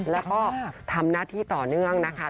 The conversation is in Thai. แล้วก็ทำหน้าที่ต่อเนื่องนะคะ